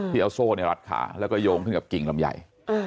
พี่เอาโซ่ในรัดขาแล้วก็โยงขึ้นกับกิ่งลำใหญ่